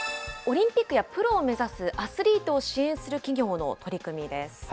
オリンピックやプロを目指すアスリートを支援する企業の取り組みです。